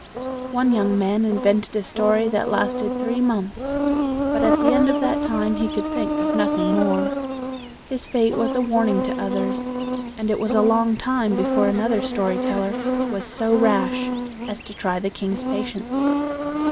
One young man invented a story that lasted three months; but at the end of that time, he could think of nothing more. His fate was a warning to others, and it was a long time before another story teller was so rash as to try the king's patience.